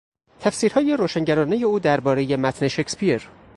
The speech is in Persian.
تفسیرهای روشنگرانهی او دربارهی متن شکسپیر